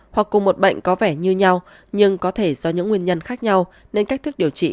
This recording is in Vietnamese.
hoặc cùng một bệnh có vẻ như nhau nhưng có thể do những nguyên nhân khác nhau nên cách thức điều trị